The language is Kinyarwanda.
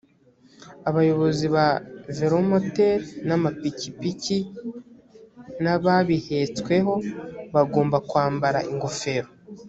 abayobozi ba velomoteri n amapikipiki n ababihetsweho bagomba kwambara ingofero